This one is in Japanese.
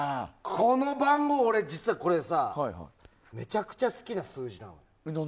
この番号、実はこれめちゃくちゃ好きな数字なの。